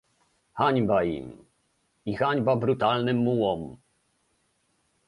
Hańba im i hańba brutalnym mułłom!